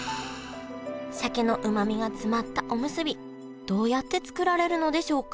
鮭のうまみが詰まったおむすびどうやって作られるのでしょうか？